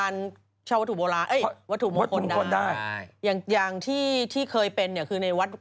เรามันเป็นเก้ง